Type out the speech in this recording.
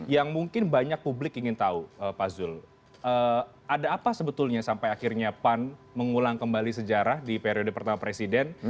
yang mungkin banyak publik ingin tahu pak zul ada apa sebetulnya sampai akhirnya pan mengulang kembali sejarah di periode pertama presiden